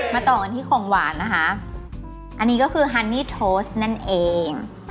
ต่อกันที่ของหวานนะคะอันนี้ก็คือฮันนี่โทสนั่นเอง